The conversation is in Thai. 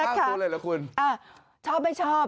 ว่างตัวเลยเหรอคุณชอบไม่ชอบ